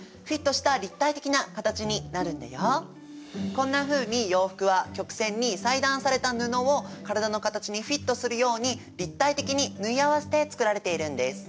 こんなふうに洋服は曲線に裁断された布をからだの形にフィットするように立体的に縫い合わせて作られているんです。